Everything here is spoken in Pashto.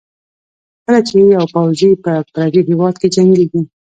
کله چې یو پوځي په پردي هېواد کې جنګېږي.